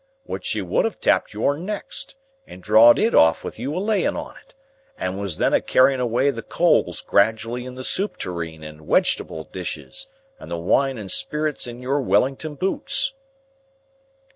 Which she would have tapped yourn next, and draw'd it off with you a laying on it, and was then a carrying away the coals gradiwally in the soup tureen and wegetable dishes, and the wine and spirits in your Wellington boots."